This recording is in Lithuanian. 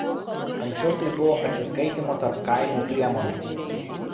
Anksčiau tai buvo atsiskaitymo tarp kaimų priemonė.